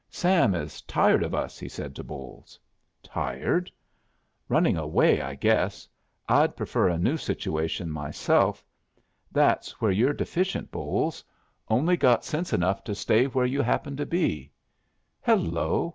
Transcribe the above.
"Sam is tired of us," he said to Bolles. "Tired?" "Running away, I guess. I'd prefer a new situation myself. That's where you're deficient, Bolles. Only got sense enough to stay where you happen to be. Hello.